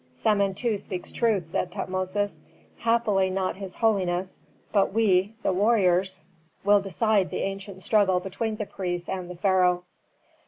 "Samentu speaks truth," said Tutmosis. "Happily not his holiness, but we, the warriors, will decide the ancient struggle between the priests and the pharaoh."